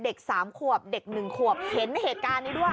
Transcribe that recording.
เด็กสามขวบเด็กหนึ่งขวบเห็นเหตุการณ์นี้ด้วย